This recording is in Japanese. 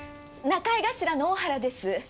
仲居頭の大原です